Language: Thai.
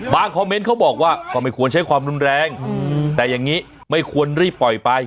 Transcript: คอมเมนต์เขาบอกว่าก็ไม่ควรใช้ความรุนแรงแต่อย่างนี้ไม่ควรรีบปล่อยไป